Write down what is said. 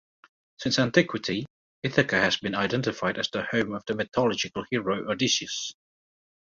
Since antiquity, Ithaca has been identified as the home of the mythological hero Odysseus.